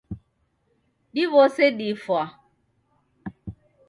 Diw'ose difwaa